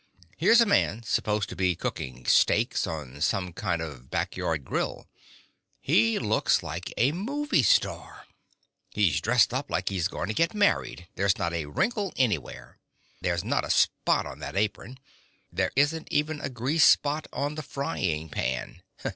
Here's a man supposed to be cooking steaks on some kind of back yard grill. He looks like a movie star; he's dressed up like he was going to get married; there's not a wrinkle anywhere. There's not a spot on that apron. There isn't even a grease spot on the frying pan.